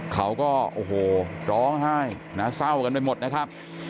เขาก็ร้องไห้เศร้ากันไปหมดนะครับ